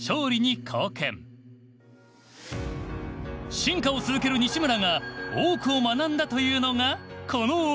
進化を続ける西村が多くを学んだというのがこの男。